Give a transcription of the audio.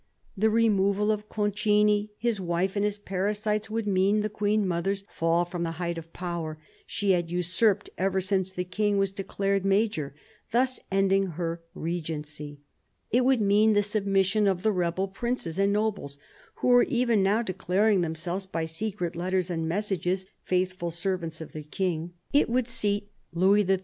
The removal of Concini, his wife and his parasites, would mean the Queen mother's fall from the height of power she had usurped ever since the King was declared major, thus ending her regency. It would mean the submission of the rebel princes and nobles, who were even now declaring themselves, by secret letters and messages, faithful servants of the King. It would seat Louis XIII.